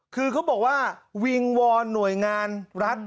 คือเขาบอกว่าวิงวอนหน่วยงานรัฐ